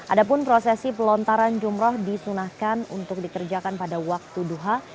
ada pun prosesi pelontaran jumroh disunahkan untuk dikerjakan pada waktu duha